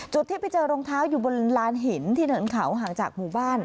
ที่ไปเจอรองเท้าอยู่บนลานหินที่เนินเขาห่างจากหมู่บ้าน